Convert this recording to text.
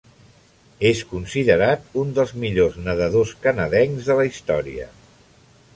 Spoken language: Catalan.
És considerat un dels millors nedadors canadencs de la història.